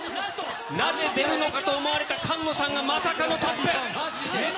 なぜ出るのかと思われた菅野さんがまさかのトップ。